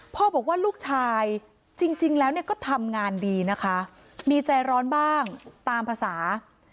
พ่อบอกว่าลูกชายจริงแล้วก็ทำงานดีนะคะมีใจร้อนบ้างตามภาษา